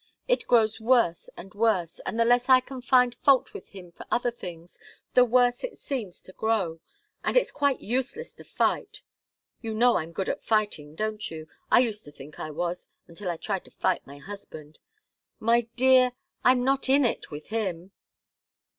It grows worse and worse and the less I can find fault with him for other things, the worse it seems to grow. And it's quite useless to fight. You know I'm good at fighting, don't you? I used to think I was, until I tried to fight my husband. My dear I'm not in it with him!"